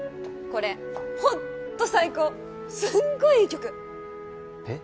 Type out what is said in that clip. これホンット最高すんごいいい曲えっ？